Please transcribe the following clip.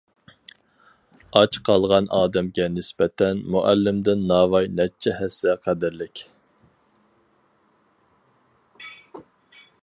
ئاچ قالغان ئادەمگە نىسبەتەن مۇئەللىمدىن ناۋاي نەچچە ھەسسە قەدىرلىك.